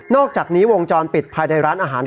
อกจากนี้วงจรปิดภายในร้านอาหาร